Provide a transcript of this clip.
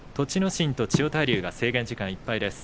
心と千代大龍制限時間いっぱいです。